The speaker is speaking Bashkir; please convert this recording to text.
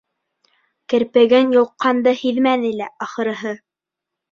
Керпеген йолҡҡанды һиҙмәне лә, ахырыһы.